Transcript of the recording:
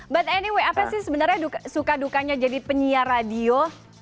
but anyway apa sih sebenarnya suka dukanya jadi penyiar radio